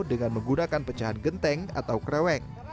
dengan menggunakan pecahan genteng atau krewek